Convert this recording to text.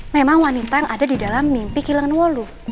memang wanita yang ada di dalam mimpi ki lengenwalu